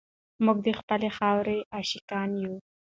موږ د خپلې خاورې عاشقان یو.